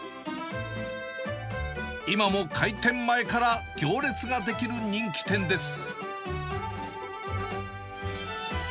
今も開店前から行列が出来る人気店です。